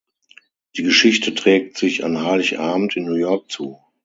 Die Geschichte trägt sich an Heiligabend in New York zu.